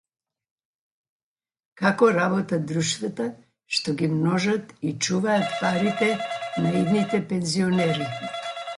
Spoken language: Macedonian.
Како работат друштвата што ги множат и чуваат парите на идните пензионери